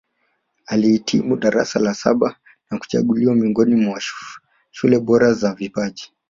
Alihitimu darasa la saba na kuchaguliwa miongoni mwa shule bora za vipaji